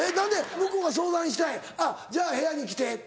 向こうが相談したい「じゃあ部屋に来て」。